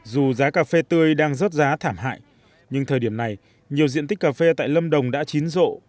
dù giá cà phê tươi đang rớt giá thảm hại nhưng thời điểm này nhiều diện tích cà phê tại lâm đồng đã chín rộ